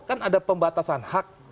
kan ada pembatasan hak